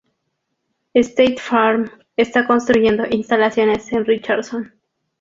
State Farm está construyendo instalaciones en Richardson.